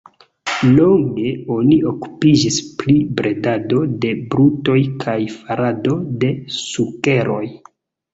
Longe oni okupiĝis pri bredado de brutoj kaj farado de sukeroj.